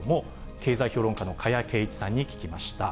経済評論家の加谷珪一さんに聞きました。